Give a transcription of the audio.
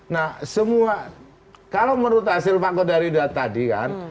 nah semua kalau menurut hasil pak kodari tadi kan